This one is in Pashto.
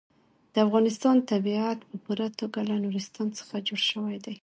د افغانستان طبیعت په پوره توګه له نورستان څخه جوړ شوی دی.